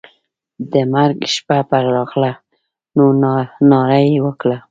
د مرګ شپه پر راغله نو ناره یې وکړه.